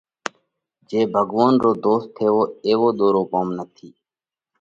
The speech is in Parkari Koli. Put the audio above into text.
جي ڀڳوونَ رو ڌوست ٿيوو ايوو ۮورو ڪوم نٿِي۔